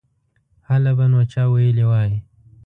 هله به نو چا ویلي وای.